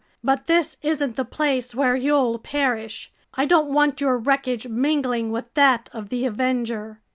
But this isn't the place where you'll perish! I don't want your wreckage mingling with that of the Avenger!"